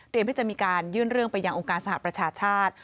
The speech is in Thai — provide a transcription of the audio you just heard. ที่จะมีการยื่นเรื่องไปยังองค์การสหประชาชาติ